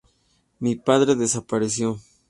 Mi padre desapareció.